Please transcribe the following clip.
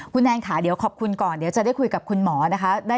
คุณแนนค่ะเดี๋ยวขอบคุณก่อนเดี๋ยวจะได้คุยกับคุณหมอนะคะ